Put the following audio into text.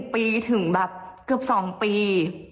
ปีถึงแบบเกือบ๒ปี